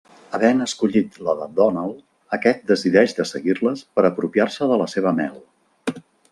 Havent escollit la de Donald aquest decideix de seguir-les per apropiar-se de la seva mel.